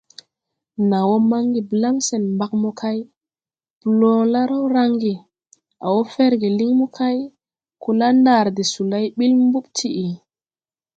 Naw wɔ mange blan sen mbag mokay, bloon la raw range, a wɔ fɛrge lin mokay, ko la ndaar de (solay) bil mbub tiʼí.